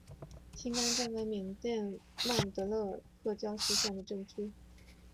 辛甘镇为缅甸曼德勒省皎克西县的镇区。